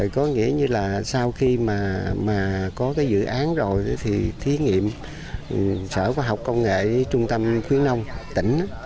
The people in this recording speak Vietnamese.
có nghĩa như là sau khi mà có cái dự án rồi thì thí nghiệm sở khoa học công nghệ trung tâm khuyến nông tỉnh